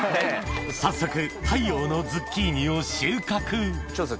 早速太陽のズッキーニを収穫チョウさん